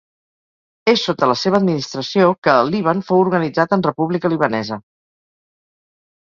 És sota la seva administració que el Líban fou organitzat en república libanesa.